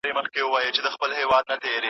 علم انسان لوړوي.